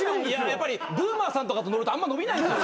やっぱＢＯＯＭＥＲさんとかと載るとあんま伸びないんですよ。